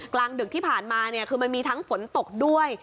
กลางดึกที่ผ่านมาเนี่ยคือมันมีทั้งฝนตกด้วย